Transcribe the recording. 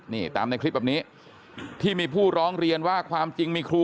นี่ตามในคลิปแบบนี้ที่มีผู้ร้องเรียนว่าความจริงมีครู